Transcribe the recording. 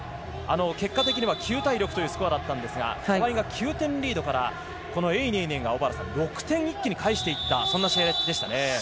結果的には９対６というスコアだったんですが、川井が９点リードからエイ・ネイネイが６点一気に返していった試合でしたね。